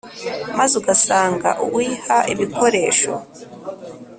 maze ugasanga uwiha ibikoresho